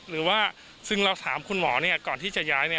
หรือว่าซึ่งเราถามคุณหมอก่อนที่จะย้าย